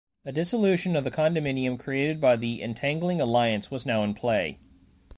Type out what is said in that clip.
A dissolution of the condominium created by the "entangling alliance" was now in play.